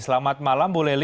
selamat malam bu lely